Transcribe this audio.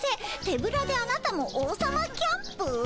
手ぶらであなたも王様キャンプ」？